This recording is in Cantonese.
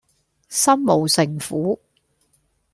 心無城府￼